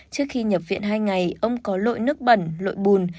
trước khi nhập viện hai ngày ông có lội nước bẩn lội bùn